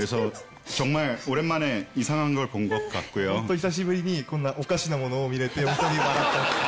韓国語ホントに久しぶりにこんなおかしなものを見れてホントに笑った。